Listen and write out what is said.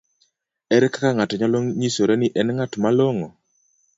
ere kaka ng'ato nyalo nyisore ni en ng'at malong'o?